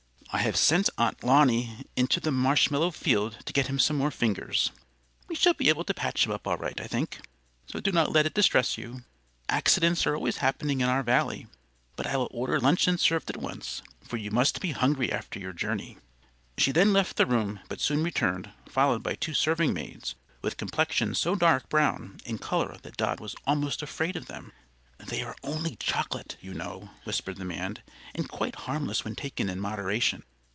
"I have sent Aunt Lowney into the marshmallow field to get him some more fingers. We shall be able to patch him up all right, I think, so do not let it distress you. Accidents are always happening in our Valley. But I will order luncheon served at once, for you must be hungry after your journey." She then left the room, but soon returned, followed by two serving maids, with complexions so dark brown in color that Dot was almost afraid of them. "They are only chocolate, you know," whispered the man, "and quite harmless when taken in moderation."